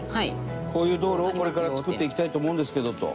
こういう道路をこれから造っていきたいと思うんですけどと。